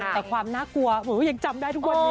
แต่ความน่ากลัวยังจำได้ทุกวันนี้